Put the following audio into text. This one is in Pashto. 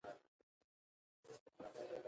دوی د لاهور ښار په بازارونو کې په خرو وګرځول شول.